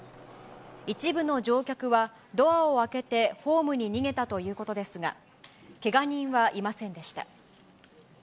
一部の乗客は、ドアを開けてホームに逃げたということですが、けが人はいませんでした。